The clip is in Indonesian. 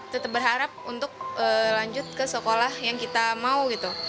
tetap berharap untuk lanjut ke sekolah yang kita mau gitu